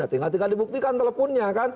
tinggal tinggal dibuktikan teleponnya kan